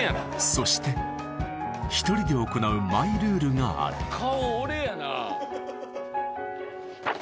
そして１人で行うマイルールがある顔俺やなぁ。